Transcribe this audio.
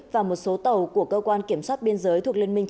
và một số tàu của cơ quan kiểm soát biên giới thuộc mỹ đã bị bắt giữ